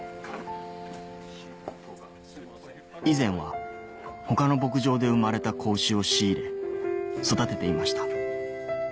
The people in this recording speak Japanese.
以前は他の牧場で生まれた子牛を仕入れ育てていました